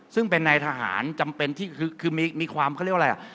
ซึ่งเป็นนายทหารจำเป็นที่คือมีความเขาเรียกว่าอะไรอ่ะ